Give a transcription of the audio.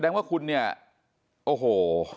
แสดงว่าคุณเนี่ยโอ้โห